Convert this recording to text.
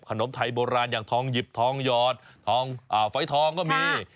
ขนมไทยโบราณอย่างทองหยิบทองหยอดทองฝอยทองก็มี